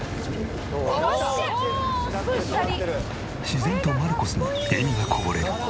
自然とマルコスに笑みがこぼれる。